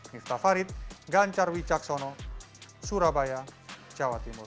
miftah farid gan carwi caksono surabaya jawa timur